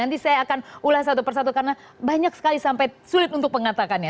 nanti saya akan ulas satu persatu karena banyak sekali sampai sulit untuk mengatakannya